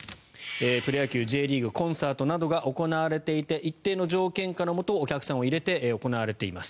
プロ野球、Ｊリーグコンサートなどが行われていて一定の条件下のもとお客さんを入れて開催しています。